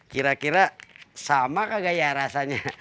kira kira sama gak ya rasanya